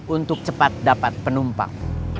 untuk cepat dapat penumpang